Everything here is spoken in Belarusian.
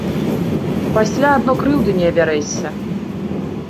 Пасля адно крыўды не абярэшся.